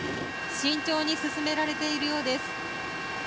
慎重に進められているようです。